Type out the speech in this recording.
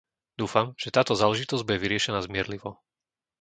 Dúfam, že táto záležitosť bude vyriešená zmierlivo.